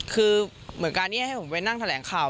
คือเหมือนการที่ให้ผมไปนั่งแถลงข่าว